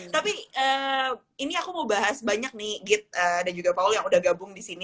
tapi ini aku mau bahas banyak nih git dan juga paul yang udah gabung di sini